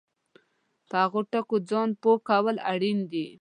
په هغو ټکو ځان پوه کول اړین دي